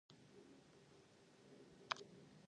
The variations depict characters of personalities.